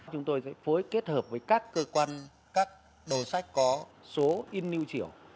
chúng tôi sẽ phối kết hợp với các cơ quan các đồ sách có số in nưu triểu